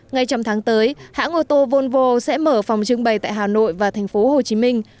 ngay trong tháng tới hãng ô tô volvo sẽ mở phòng trưng bày tại hà nội và thành phố hồ chí minh